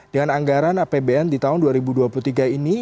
dengan anggaran apbn di tahun dua ribu dua puluh tiga ini